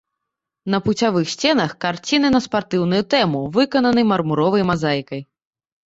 На пуцявых сценах карціны на спартыўную тэму выкананы мармуровай мазаікай.